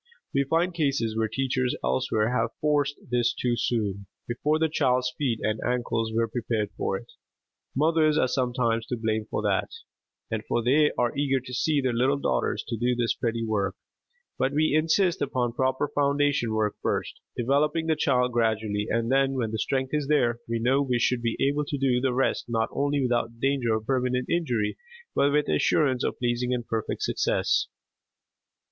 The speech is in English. We find cases where teachers elsewhere have forced this too soon, before the child's feet and ankles were prepared for it. Mothers are sometimes to blame for that, for they are eager to see their little daughters do this pretty work; but we insist upon proper foundation work first, developing the child gradually, and then, when the strength is there, we know we should be able to do the rest not only without danger of permanent injury but with assurance of pleasing and perfect success.